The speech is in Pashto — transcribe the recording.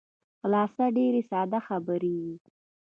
خلاصه ډېرې ساده خبرې.